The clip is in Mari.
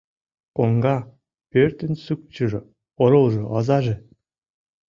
Коҥга — пӧртын сукчыжо, оролжо, озаже.